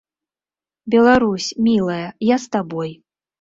Беларусь, мілая, я з табой.